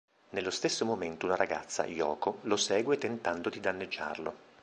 Nello stesso momento una ragazza, Yoko, lo segue tentando di danneggiarlo.